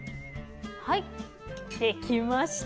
はいできました。